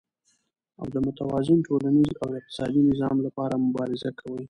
او د متوازن ټولنيز او اقتصادي نظام لپاره مبارزه کوي،